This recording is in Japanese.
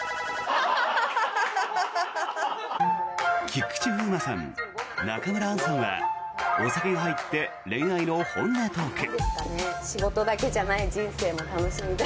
菊池風磨さん、中村アンさんはお酒が入って恋愛の本音トーク。